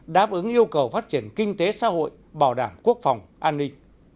đáp ứng yêu cầu phát triển kinh tế xã hội bảo đảm quốc phòng an ninh